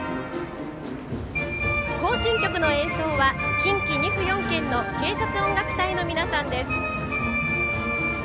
行進曲の演奏は、近畿２府４県の警察音楽隊の皆さんです。